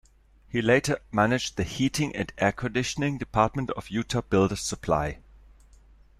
He later managed the heating and air conditioning department of Utah Builders Supply.